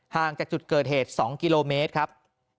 ห่างจากจุดเกิดเหตุ๒กิโลเมตรครับ